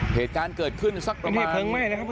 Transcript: เหตุการณ์เกิดขึ้นสักประมาณ